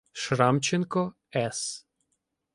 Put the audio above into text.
Шрамченко С.